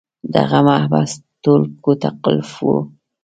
دغه محبس ټول کوټه قلف وو.